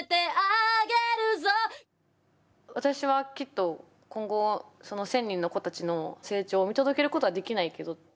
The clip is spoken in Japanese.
私はきっと今後１，０００人の子たちの成長を見届けることはできないけど。